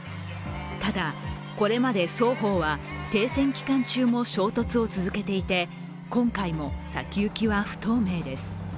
ただこれまで双方は、停戦期間中も衝突を続けていて、今回も先行きは不透明です。